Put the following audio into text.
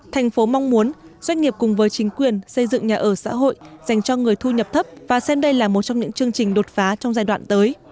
thành phố mong muốn doanh nghiệp cùng với chính quyền xây dựng nhà ở xã hội dành cho người thu nhập thấp và xem đây là một trong những chương trình đột phá trong giai đoạn tới